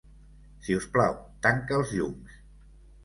Si us plau, tanca els llums.